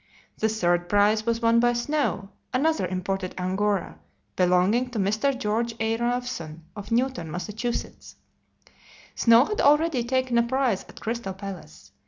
The third prize was won by Snow, another imported Angora, belonging to Mr. George A. Rawson, of Newton, Mass. Snow had already taken a prize at Crystal Palace.